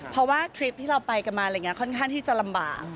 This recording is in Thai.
เพราะว่าทริปที่เราไปกันมาอะไรอย่างนี้ค่อนข้างที่จะลำบาก